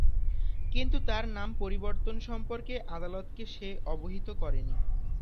কিন্তু তার নাম পরিবর্তন সম্পর্কে আদালতকে সে অবহিত করেনি।